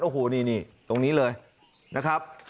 โอ้โหนี่ตรงนี้เลยนะครับ